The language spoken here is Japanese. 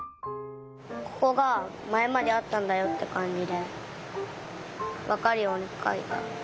ここがまえまであったんだよってかんじでわかるようにかいた。